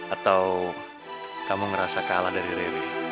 atau kamu ngerasa kalah dari riri